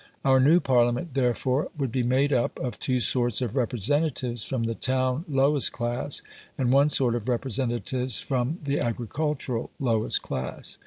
Our new Parliament, therefore, would be made up of two sorts of representatives from the town lowest class, and one sort of representatives from the agricultural lowest class.